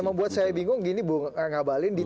membuat saya bingung ini bu ngabalin di